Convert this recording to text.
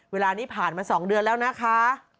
เวลานี้ผ่านมา๒เดือนแล้วนะคะ